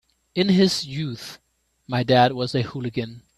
In his youth my dad was a hooligan.